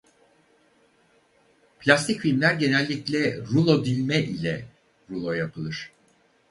Plastik filmler genellikle rulo dilme ile rulo yapılır.